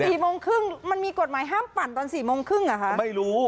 โมงครึ่งมันมีกฎหมายห้ามปั่นตอนสี่โมงครึ่งเหรอคะไม่รู้